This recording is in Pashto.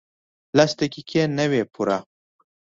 لس دقیقې نه وې پوره.